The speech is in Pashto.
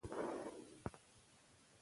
د خپلو ګاونډیانو حقونه وپېژنئ.